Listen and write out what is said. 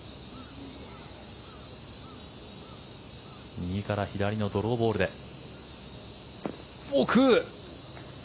右から左のドローボールで奥。